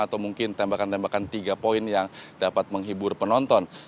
atau mungkin tembakan tembakan tiga poin yang dapat menghibur penonton